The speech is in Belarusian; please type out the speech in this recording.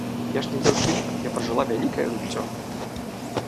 Я ж не дзяўчынка, я пражыла вялікае жыццё.